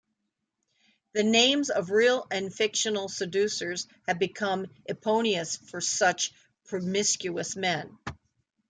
The names of real and fictional seducers have become eponymous for such promiscuous men.